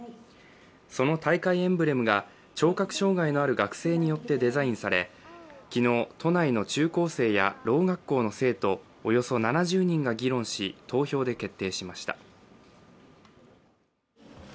その大会エンブレムが聴覚障害のある学生によってデザインされ昨日、都内の中高生や、ろう学校の生徒およそ７０人が議論し、投票で決定しました。